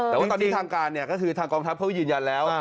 แต่ว่าตอนนี้ทางการเนี่ยก็คือทางกองทัพเขาก็ยืนยันแล้ว